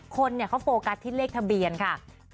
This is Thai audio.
คนเขาโฟกัสที่เลขทะเบียนค่ะ